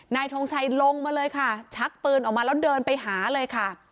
ทงชัยลงมาเลยค่ะชักปืนออกมาแล้วเดินไปหาเลยค่ะ